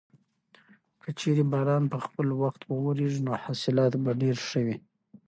که چېرې باران په خپل وخت وورېږي نو حاصلات به ډېر ښه وي.